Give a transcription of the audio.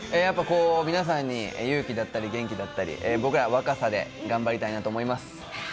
皆さんに勇気だったり、元気だったり僕らは若さで頑張りたいなと思います。